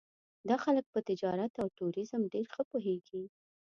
دا خلک په تجارت او ټوریزم ډېر ښه پوهېږي.